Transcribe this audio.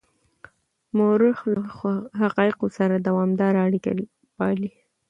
مورخ له حقایقو سره دوامداره اړیکه پالي.